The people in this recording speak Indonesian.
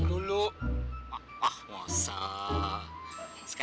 ngosok sekarang enggak